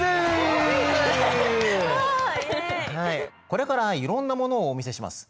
これからいろんなものをお見せします。